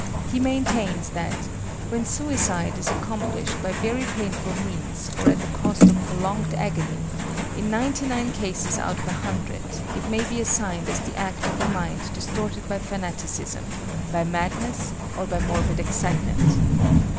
He maintains that "when suicide is accomplished by very painful means or at the cost of prolonged agony, in ninety nine cases out of a hundred, it may be assigned as the act of a mind disordered by fanaticism, by madness, or by morbid excitement."